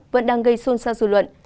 vẫn đang gây xôn xa dù luận